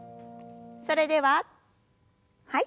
それでははい。